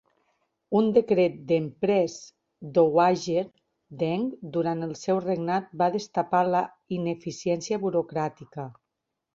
Un decret de Empress Dowager Deng durant el seu regnat va destapar la ineficiència burocràtica.